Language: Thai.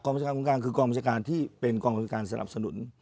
กองประชาการบนกลางคือกองประชาการที่เป็นกองประชาการสนับสนุน